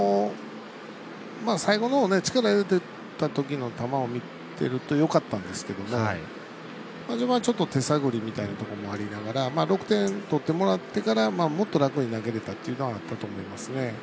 最後の方力入れてた時の球を見てるとよかったんですけども田嶋は、ちょっと手探りみたいなところもありながら６点取ってもらってからもっと楽に投げれたというのもありましたね。